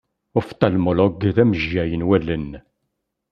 Uftalmolog d amejjay n wallen.